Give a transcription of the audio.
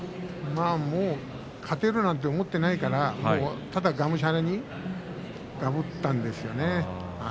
もう勝てるなんて思っていないからただがむしゃらにがぶったんですよね。